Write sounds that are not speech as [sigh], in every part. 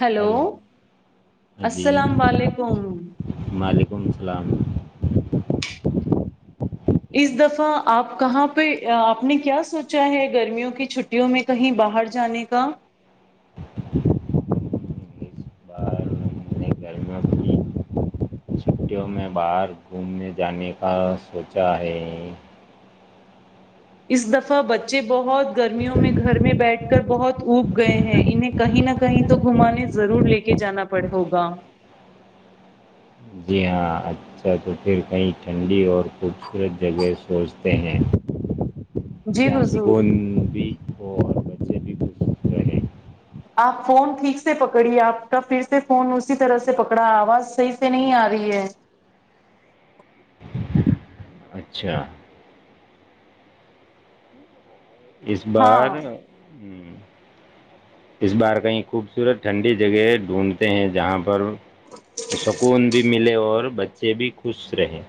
hello جی السلام علیکم سم سلام اس دفعہ آپ کہاں پہ آپ نے کیا سوچا ہے گرمیوں کی چھٹیوں میں کہیں باہر جانے کا [inaudible] ا چھٹیوں میں باہر گھومنے جانے کا سوچا ہے اس دفعہ بچے بہت گرمیوں میں گھر میں بیٹھ کر بہت اوب گئے ہیں انہیں کہیں نہ کہیں تو گھمانے ضرور لے کے جانا پڑے گا جی ہاں اچھا تو پھر کہیں ٹھنڈی اور خوبصورت جگہ سوچ ت جی ج حضور سکون بھی وہ اور بچے بھی خوش رہے آپ فون ٹھیک سے پکڑی آپ کا پھر سے فون اسی طرح سے پکڑا آواز صحیح سے نہیں آ رہی ہے اچھا اس بار ہاں اس بار کہیں خوبصورت ٹھنڈی جگہ ڈھونڈتے ہیں جہاں پر سکون بھی ملے اور ب سے بھی خوش رہیں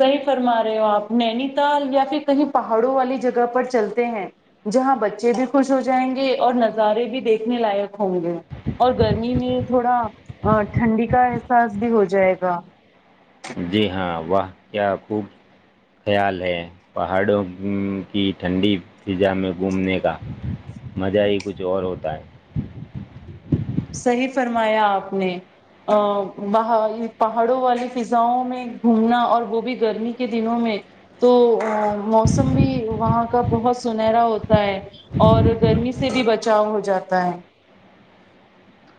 صحیح فرما رہے ہو آپ نینی تال یا پھر کہیں پہاڑوں والی جگہ پر چلتے ہیں جہاں بچے بھی خوش ہو جائیں گے اور نظارے بھی دیکھنے لائق ہوں گے اور گرمی میں تھوڑا ٹھنڈی کا احساس بھی ہو جائے گا جی ہاں وہ کیا خوب خیال ہے پہاڑوں کی ٹھنڈی فضا میں گھومنے کا مزہ ہی کچھ اور ہوتا ہے صحیح فرمایا آپ نے پہاڑوں والی فضاؤں میں گھومنا اور وہ بھی گرمی کے دنوں میں تو موسم بھی وہاں کا بہت سنہرا ہوتا ہے اور گرمی سے بھی بچاؤ ہو جاتا ہے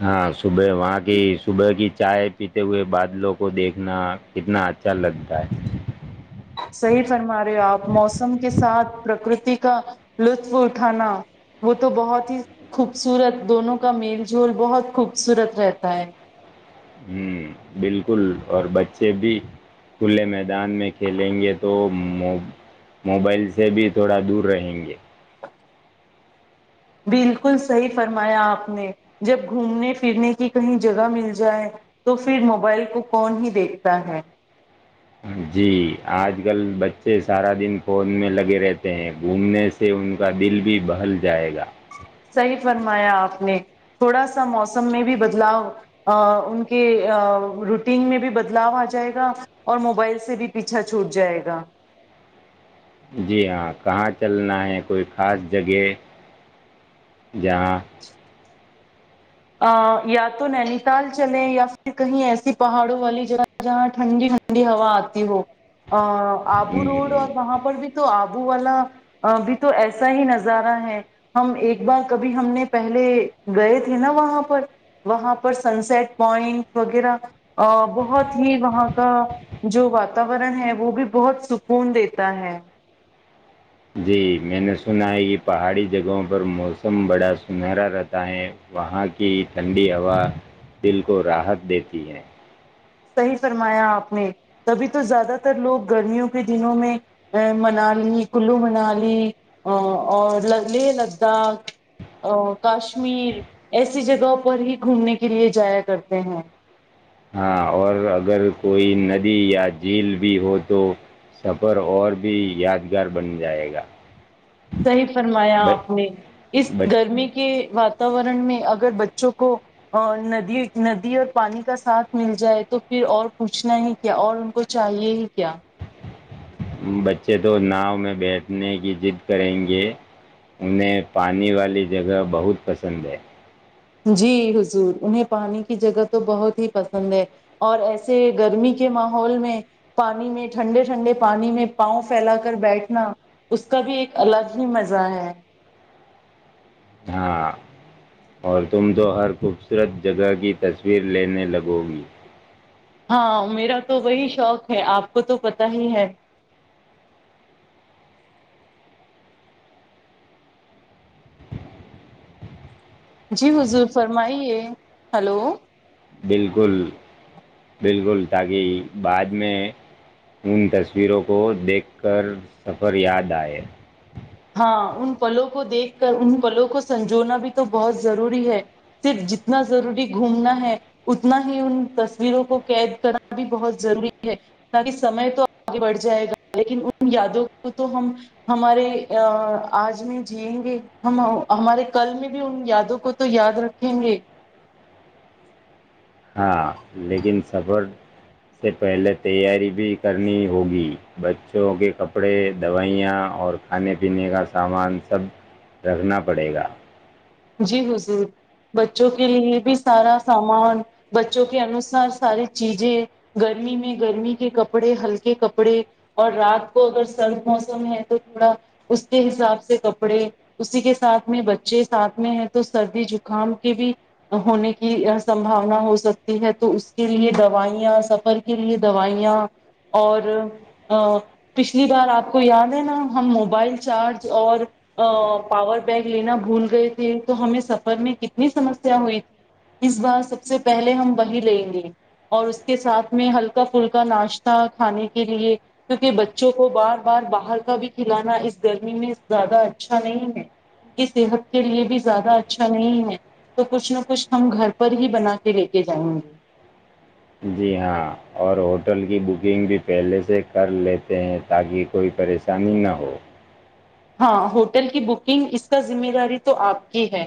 ہاں صبح وہاں کی صبح کی چائے پیتے ہوئے بادلوں کو دیکھنا کتنا اچھا لگتا ہے صحیح فرما رہے ہو آپ موسم کے ساتھ پرکرتی کا لطف اٹھانا وہ تو بہت ہی خوبصورت دونوں کا میل جوول بہت خوبصورت رہتا ہے ہوں بالکل اور بچے بھی کھلے میدان میں کھیلیں گے توو موبائل سے بھی تھوڑا دور رہیں گے بالکل صحیح فرمایا آپ نے جب گھومنے پھرنے کی کہیں جگہ مل جائے تو پھر موبائل کو کون ہی دیکھتا ہے سے سارا دن فون میں لگے رہتے ہیں گھومنے سے ان کا دل بھی بہل جائے گا صحیح فرمایا آپ نے تھوڑا سا موسم میں بھی بدلاؤ ان کے روٹین میں بھی بدلاو آ جائے گا اور موبائل سے بھی پیچھا چھوٹ جائے گا جی ہاں کہاں چلنا ہے کوئی خاص جگہ جہاں ا یا تو نینی تال چلے یا پھر کہیں ایسی پہاڑوں والی جگہ جہاں ٹھنڈی ٹھنڈی ہوا آتی ہو ا آبو روڈ اور وہاں پر بھی تو آ ابو والا بھی تو ایسا ہی نظارہ ہے ہم ایک بار کبھی ہم نے پہل گئے تھے نا وہاں پر وہاں پر سن سٹ پوائنٹ وغیرہ بہت ہی وہاں کا جو واتاورن ہے وہ بھی بہت سکون دیتا ہے جی میں نے سنا ہے کہ پہاڑی جگہوں پر موسم بڑا سنہرا رہتا ہے وہاں کی ٹھنڈی ہوا دل کو راحت دیتی ہے صحیح فرمایا آپ نے تبھی تو زیادہ تر لوگ گرمیوں کے دنوں میں منالی کلو منالی اور ل لداخ کاشمیر ایسی جگہوں پر ہی گھومنے کے لیے جایا کرتے ہیں ہاں اور اگر کوئی ندی یا جھیل بھی ہو تو سفر اور بھی یادگار بن جائے گا صحیح فرمایا ب- آپ نے اس بچ- گرمی کے واتاورن میں اگر بچوں کو ندی ندی اور پانی کا ساتھ مل جائے تو پھر اور پوچھنا ہی کیا اور ان کو چاہیے ہی کیا بچے تو ناؤ میں بیٹھنے کی ضد کریں گے انہیں پانی والی جگہ بہت پسند ہے جی حضور انہیں پانی کی جگہ تو بہت ہی پسند ہے اور ایسے گرمی کے ماحول میں پانی میں ٹھنڈے ٹھنڈے پانی میں پاؤں پھیلا کر بیٹھنا اس کا بھی ایک الگ ہی مزہ ہے ہاں اور تم تو ہر خوبصورت جگہ کی تصویر لینے لگو گی ہاں میرا تو وہی شوق ہے آپ کو تو پتا ہی ہے جی حضور فرمائیے ہلو بالکل بالکل تاکہ بعد میں ان تصویروں کو دیکھ کر سفر یاد آئے ہاں ان پلوں کو دیکھ کر ان پلوں کو سنجونا بھی تو بہت ضروری ہے صرف جتنا ضروری گھومنا ہے اتنا ہی ان تصویروں کو قید کرنا بھی بہت ضروری ہے تاکہ سمے تو آگے بڑھ جائے گا لیکن ان یادوں کو تو ہم ہمارے ا آج میں جیئیں گے ہم ہمارے کل میں بھی ان یادوں کو تو یاد رکھیں گے ہاں لیکن سفر سے پہلے تیاری بھی کرنی ہوگی بچوں کے کپ کپڑے دوائیاں اور کھانے پینے کا سامان سب رکھنا پڑے گا جی ہاں جض بچوں کے لیے بھی سارا سامان بچوں کے انوسار ساری چیزیں گرمی میں گرمی کے کپڑے ہلکے کپڑے اور رات کو اگر سرد موسم ہے تو تھوڑا اس کے حساب سے کپڑے اسی کے ساتھ میں بچے ساتھ میں ہے تو سردی زکام کے بھی ہونے کی سمباونا ہو سکتی ہے تو اس کے لیے دوائیاں سفر کے لیے دوائیاں اور پچھلی بار آپ کو یاد ہے نا ہم موبائل چارج اور پاور بینک لینا بھول گئے تھے تو ہمیں سفر میں کتنی سمسیا ہوئی تھی اس بار سب سے پہلے ہم وہی لیں گے اور اس کے ساتھ میں ہلکا پھلکا ناشتہ کھانے کے لیے کیونکہ بچوں کو بار بار باہر کا بھی کھلانا اس گرمی میں زیادہ اچھا نہیں ہے کی صحت کے لیے بھی زیادہ اچھا نہیں ہے تو کچھ نہ کچھ ہم گھر پر ہی بنا کے لے کے جائیں گے جی ہاں اور ہوٹل کی بکنگ بھی پہلے سے کر لیتے ہیں تاکہ کوئی پریشانی نہ ہو ہاں ہوٹل کی بکنگ اس کا ذمہ داری تو آپ کی ہے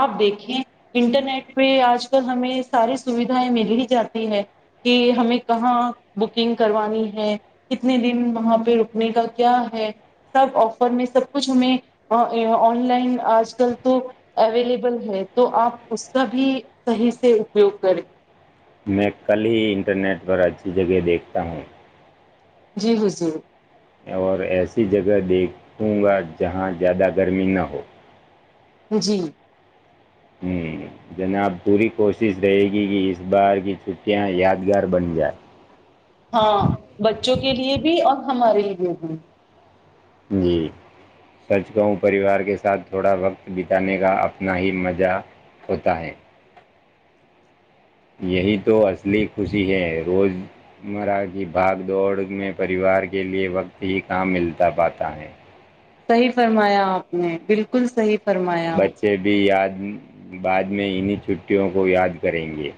آپ دیکھیں انٹرنیٹ پہ آج کل ہمیں ساری سویدھائیں مل ہی جاتی ہے کہ ہمیں کہاں بکنگ کروانی ہے کتنے دن وہاں پہ رکنے کا کیا ہے سب میں سب کچھ ہمیں آن لائن آج کل تو اویلیبل ہے تو آپ اس کا بھی صحیح سے اپیوگ کریں میں کل ہی انٹرنیٹ پر اچھی جگہ دیکھتا ہوں جی بضور ایسی جگہ دیکھوں گا جہاں زیادہ گرمی نہ ہو جی ہوں، جناب پوری کوشش رہے گی کہ اس بار کی چھٹیاں یادگار بن جائے ہاں بچوں کے لیے بھی اور ہمارے لیے بھی جی سچ گؤوں پریوار کے ساتھ تھوڑا وقت بتانے کا اپنا ہی مزہ ہوتا ہے یہی تو اصلی خوشی ہے روزمرہ کی بھاگ دوڑ میں پریوار کے لئے وقت ہی کام ملتا پاتا ہے صحیح فرمایا آپ نے بالکل صحیح فرمایا بچے بھی یاد بعات میں انہیں چھٹیوں کو یاد کریں گے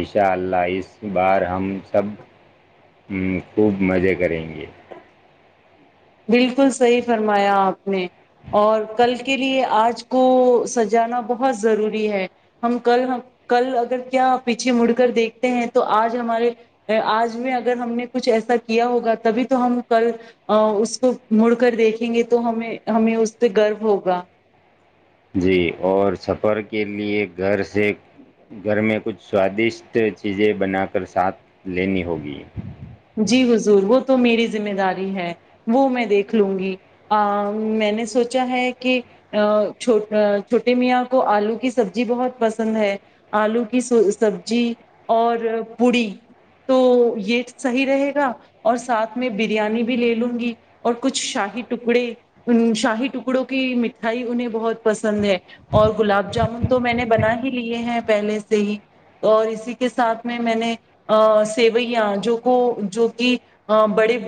اشا اللہ اس بار ہم سب خوب مزے کریں گے بالکل صحی فرمایا آپ نے اور کل کے لیے آج کو سجانا بہت ضروری ہے ہم کل کل اگر کیا پیچھے مڑ کر دیکھتے ہیں تو آج ہمارے آج میں اگر ہم نے کچھ ایسا کیا ہوگا تبھی تو ہم کل اس کو مڑ کر دیکھیں گے تو ہمیں ہمیں اس پہ گرو ہوگا جی اور سفر کے لیے گھر سے گھر میں کچھ سوادشٹ چیزیں بنا کر ساتھ لینی ہوگی جی حضور وہ تو میری ذمہ داری ہے وہ میں دیکھ لوں گی میں نے سوچا ہے کہ چھوٹے میاں کو آلو کی سبزی بہت پسند ہے آلو کی سبزی اور پڑی تو یہ سحیح رہے گا اور ساتھ میں بریانی بھی لے لوں گی اور کچھ شاہی ٹکڑے شاہی ٹکڑوں کی مٹھائی انہیں بہت پسند ہے اور گلاب جامن تو میں نے بنا ہی لیے ہیں پہلے سے ہی اور اسی کے ساتھ میں میں نے سیویاں جو کو جو کہ بڑے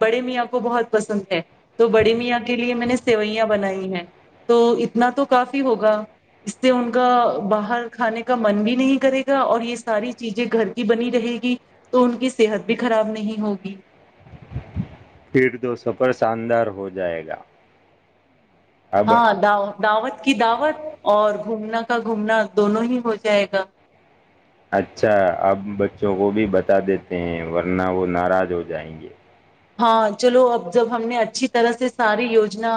بڑے میاں کو بہت پسند ہے تو بڑے میاں کے لیے میں نے سیوئیاں بنائی ہیں تو اتنا تو کافی ہوگا اس سے ان کا باہر کھانے کا من بھی نہیں کرے گا اور یہ ساری چیزیں گھر کی بنی رہے گی تو ان کی صحت بھی خراب نہیں ہوگی پھر دو سفر شاندار ہو جائے گا اب ہاں داؤ دعوت کی دعوت اور گھومنا کا گھومنا دونوں ہی ہو جائے گا اچھا اب بچوں کو بھی بتا دیتے ہیں ورنہ وہ ناراض ہو جائیں گے ہاں چلو اب جب ہم نے اچھی طرح سے ساری یوجنا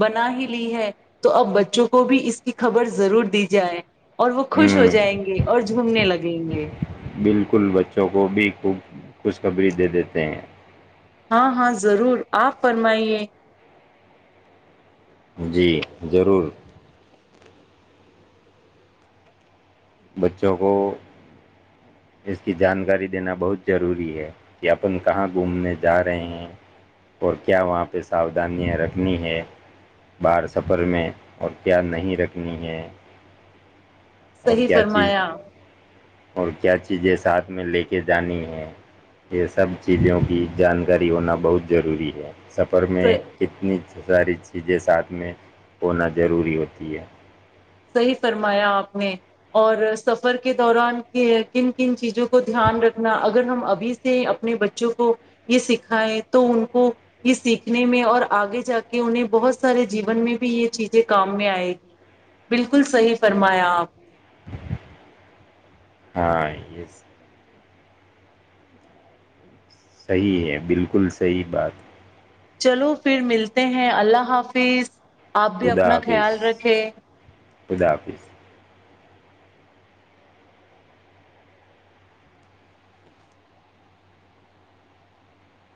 بنا ہی لی ہے تو اب بچوں کو بھی اس کی خبر ضرور دی جائے اور وہ خوش ہو ہ جائیں گے اور جھومنے لگیں گے بالکل بچوں کو بھی خوب خوشخبری دے دیتے ہیں ہاں ہاں ضرور آپ فرمائیے جی ضرور بچوں کو اس کی جانکاری دینا بہت ضروری ہے کہ اپن کہاں گھومنے جا رہے ہیں اور کیا وہاں پہ ساؤودھانیاں رکھنی ہے بار سفر میں اور کیا نہیں رکھنی ہے اور صی کیا پرر چیز مایا اور کیا چیزیں ساتھ میں لے کے جانی ہے یہ سب چیزوں کی جانکاری ہونا بہت ضروری ہے سفر میں کتنی ساری چیزیں ساتھ میں ہونا ضروری ہوتی ہے صحیح فرمایا آپ نے اور سفر کے دوران کن کن چیزوں کو کو دھیان رکھنا ا اگر ہم ابھی سے اپنے بچوں کو یہ سکھائے تو ان کو یہ سیکھنے میں اور آگے جا کے انہیں بہت سارے جیون میں بھی یہ چیزیں کام میں آئے گی بالکل صحیح فرمایا آپ نے ہاں یہ صحیح ہے بالکل صحی بات چلو پھر ملتے ہیں اللہ حافظ آپ بھی خدا اپنا خیال حافظ رکھے خدا حافظ